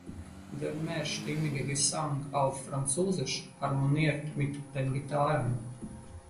Der mehrstimmige Gesang auf Französisch harmoniert mit den Gitarren.